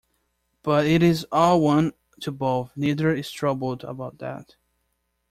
But it is all one to both; neither is troubled about that.